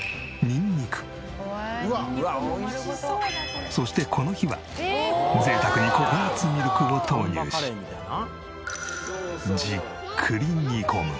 「ニンニクも丸ごと」そしてこの日は贅沢にココナッツミルクを投入しじっくり煮込む。